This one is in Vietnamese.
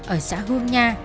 ở xã hương nha